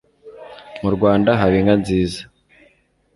mu rwanda haba inka nziza